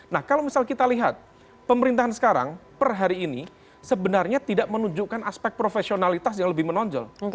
nah kalau misal kita lihat pemerintahan sekarang per hari ini sebenarnya tidak menunjukkan aspek profesionalitas yang lebih menonjol